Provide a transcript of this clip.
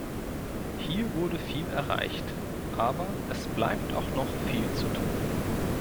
Hier wurde viel erreicht, aber es bleibt auch noch viel zu tun.